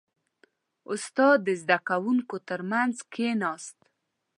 • استاد د زده کوونکو ترمنځ کښېناست.